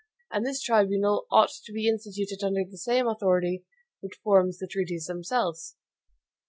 And this tribunal ought to be instituted under the same authority which forms the treaties themselves.